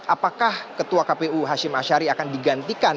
apakah ketua kpu hashim ashari akan digantikan